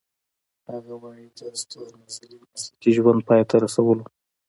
هغه وايي د ستورمزلۍ مسلکي ژوند پای ته رسولو .